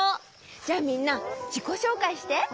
じゃあみんなじこしょうかいして。